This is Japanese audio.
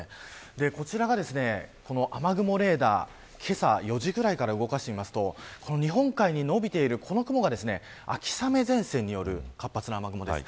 こちらが雨雲レーダーけさ４時ぐらいから動かしていきますと日本海に延びているこの雲が秋雨前線による活発な雨雲です。